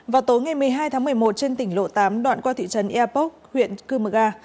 vào tối ngày một mươi hai tháng một mươi một trên tỉnh lộ tám đoạn qua thị trấn eapok huyện cư mờ ga